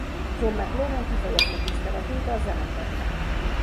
John McLaughlin kifejezte tiszteletét a zenekar iránt.